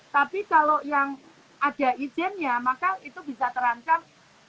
tapi kalau yang ada izinnya maka itu bisa terancam